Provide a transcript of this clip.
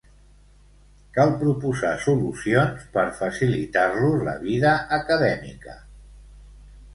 Cal proposar solucions per facilitar-los la vida acadèmica.